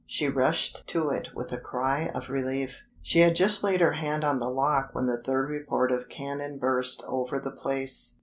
She rushed to it with a cry of relief. She had just laid her hand on the lock when the third report of cannon burst over the place.